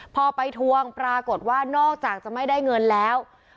พอไปทวงปรากฏว่านอกจากจะไม่ได้เงินแล้ว